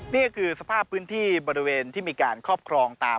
นี่ก็คือสภาพพื้นที่ที่มีการครอบครองได้ตาม